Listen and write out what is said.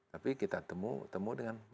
tapi kita temukan